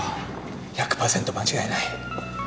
１００パーセント間違いない。